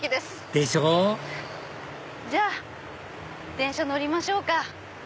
でしょじゃあ電車乗りましょうか。